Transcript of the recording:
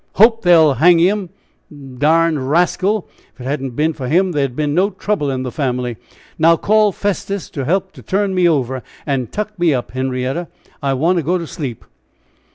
hope they'll hang him! d d rascal! If it hadn't been for him, there'd been no trouble in the family! Now call Festus to help to turn me over, and tuck me up, Henrietta; I want to go to sleep!"